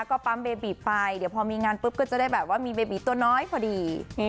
ก็ปั๊มเบบีไปเดี๋ยวพอมีงานปุ๊บก็จะได้แบบว่ามีเบบีตัวน้อยพอดี